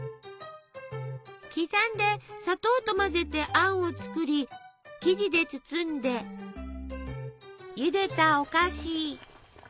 刻んで砂糖と混ぜてあんを作り生地で包んでゆでたお菓子。